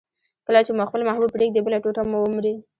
کله چي مو خپل محبوب پرېږدي، بله ټوټه مو ومري.